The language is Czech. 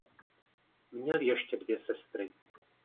Měl ještě dvě sestry.